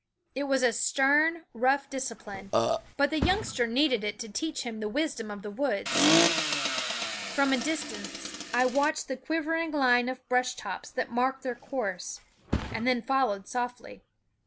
It was stern, rough discipline ; but the youngster needed it to teach him the wis dom of the woods. From a distance I THE WOODS watched the quivering line of brush tops that marked their course, and then followed softly.